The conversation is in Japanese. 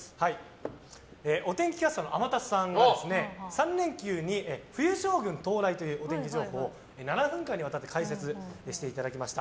お天気キャスターの天達さんが３連休に冬将軍到来というお天気情報を７分にわたって解説していただきました。